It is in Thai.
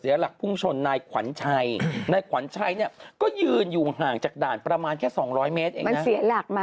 อย่างนั้นพี่จะได้เจอคลุกอาการที่